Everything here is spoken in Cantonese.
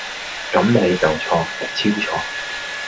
咁你就錯，超錯